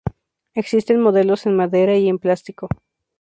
Existen modelos en madera y en plástico.